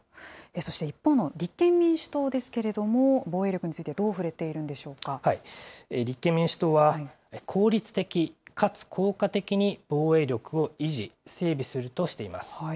そして一方の立憲民主党ですけれども、防衛力につ立憲民主党は、効率的かつ効果的に防衛力を維持・整備するとしています。